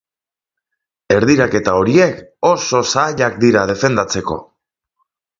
Erdiraketa horiek oso zailak dira defendatzeko.